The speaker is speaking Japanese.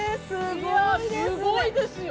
◆すごいですね。